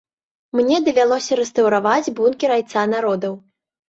Мне давялося рэстаўраваць бункер айца народаў.